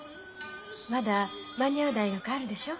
まだ間に合う大学あるでしょ？